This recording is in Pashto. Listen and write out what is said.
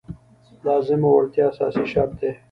لازمه وړتیا اساسي شرط دی.